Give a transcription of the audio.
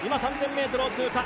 今、３０００ｍを通過。